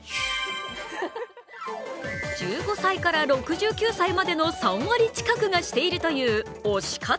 １５歳から６９歳までの３割近くがしているという推し活。